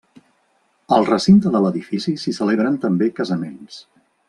Al recinte de l'edifici s'hi celebren també casaments.